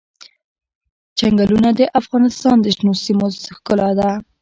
چنګلونه د افغانستان د شنو سیمو ښکلا ده.